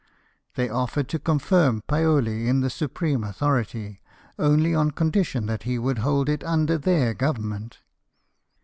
They offered to confirm Paoli in the supreme authority, only on condition that he would hold it under theii Government.